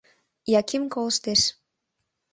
Яким колыштеш.